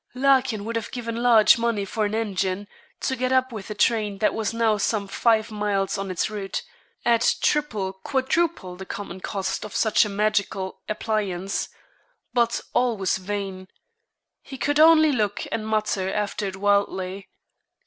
Larkin would have given large money for an engine, to get up with the train that was now some five miles on its route, at treble, quadruple, the common cost of such a magical appliance; but all was vain. He could only look and mutter after it wildly.